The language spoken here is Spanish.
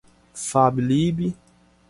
Fab., lib.